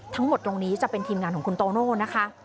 ทั้งหมดตรงนี้จะเป็นทีมงานของคุณโตโน่นะคะ